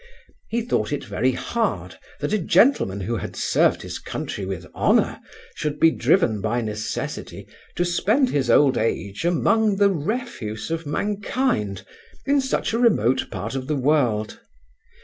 He thought it very hard, that a gentleman who had served his country with honour, should be driven by necessity to spend his old age, among the refuse of mankind, in such a remote part of the world.